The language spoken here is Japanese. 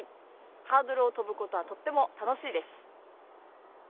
ハードルをとぶことはとっても楽しいです。